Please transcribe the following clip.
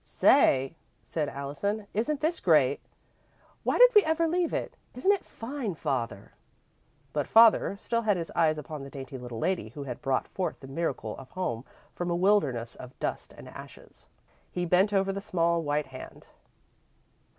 "Say," said Allison, "isn't this great! Why did we ever leave it? Isn't it fine, Father?" But "father" still had his eyes upon the dainty little lady who had brought forth the miracle of home from a wilderness of dust and ashes. He bent again over the small, white hand.